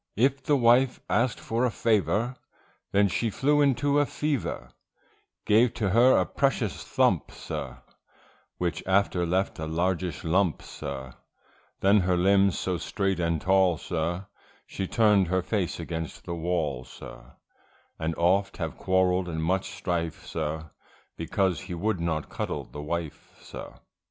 If the wife asked for a favour, Then she flew into a fever, Gave to her a precious thump, sir, Which after left a largeish lump, sir, Then her limbs so straight and tall, sir, She turn'd her face against the wall, sir, And oft have quarrel'd and much strife, sir, Because he would not cuddle the wife, sir.